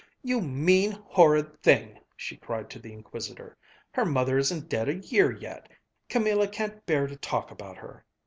"You mean, horrid thing!" she cried to the inquisitor. "Her mother isn't dead a year yet! Camilla can't bear to talk about her!"